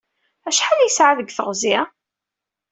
Acḥal i yesɛa deg teɣzi?